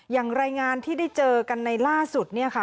อย่างรายงานที่ได้เจอกันในล่าสุดเนี่ยค่ะ